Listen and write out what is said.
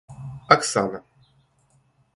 Оксана